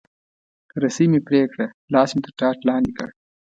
رسۍ مې پرې کړه، لاس مې تر ټاټ لاندې کړ.